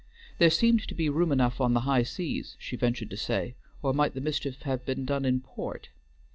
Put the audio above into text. There seemed to be room enough on the high seas, she ventured to say, or might the mischief have been done in port?